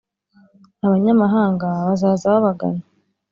Abanyamahanga bazaza babagana,